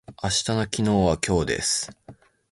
明日の昨日は今日です。